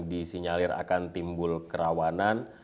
disinyalir akan timbul kerawanan